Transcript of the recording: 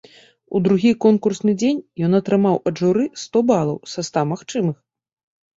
У другі конкурсны дзень ён атрымаў ад журы сто балаў са ста магчымых.